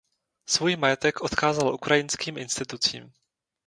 Svůj majetek odkázal ukrajinským institucím.